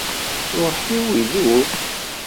Ṛṛuḥ-iw idub.